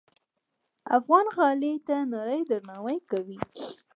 افغان غالۍ ته نړۍ درناوی کوي.